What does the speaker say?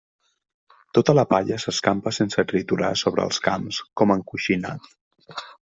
Tota la palla s'escampa sense triturar sobre els camps com encoixinat.